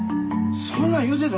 そんなん言うてた？